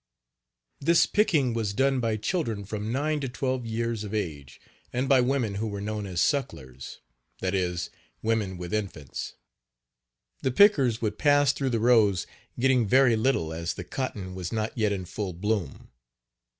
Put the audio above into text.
This picking was done by children from nine to twelve years of age and by women who were known as "sucklers," that is, women with infants. The pickers would pass through the rows getting very little, as the cotton was not yet in full bloom.